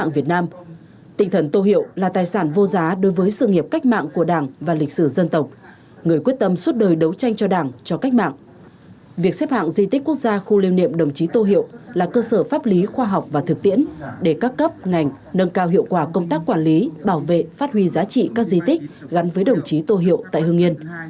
việc xếp hạng di tích quốc gia khu liêu niệm đồng chí tô hiệu là cơ sở pháp lý khoa học và thực tiễn để các cấp ngành nâng cao hiệu quả công tác quản lý bảo vệ phát huy giá trị các di tích gắn với đồng chí tô hiệu tại hương yên